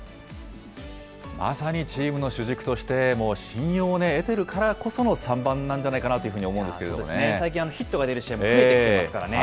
まさにチームの主軸として、信用を得てるからこその３番なんじゃないかなというふうに思うんそうですね、最近、ヒットが出る試合、増えてきてますからね。